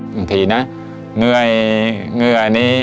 บางทีนะเงื่อนี้